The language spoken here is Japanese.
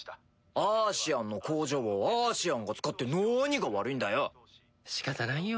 アーシアンの工場をアーシアンが使ってなにが悪いんだよ。